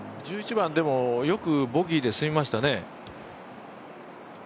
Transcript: １１番、よくボギーですみましたね。